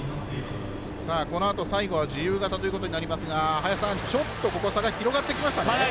このあと最後は自由形ということになりますが林さん、ちょっと差が広がってきましたね。